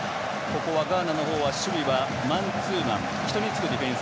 ここはガーナの方は守備はマンツーマン。